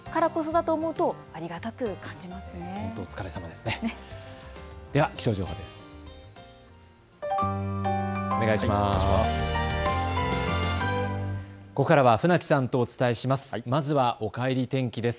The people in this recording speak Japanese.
ここからは船木さんとお伝えします。